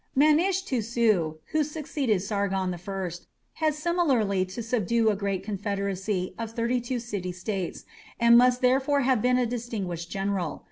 Manishtusu, who succeeded Sargon I, had similarly to subdue a great confederacy of thirty two city states, and must therefore have been a distinguished general.